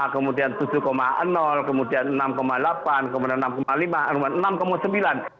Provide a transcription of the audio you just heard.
kemudian tujuh kemudian enam delapan kemudian enam lima kemudian enam sembilan